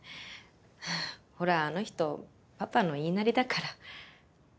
ほらあの人パパの言いなりだから。